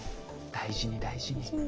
大事に大事に。